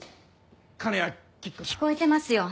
聞こえてますよ。